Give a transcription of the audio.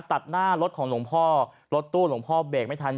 ตัดหน้ารถของหลวงพ่อรถตู้หลวงพ่อเบรกไม่ทัน